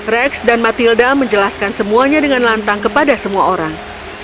rex dan matilda menjelaskan semuanya dengan lantang kepada semua orang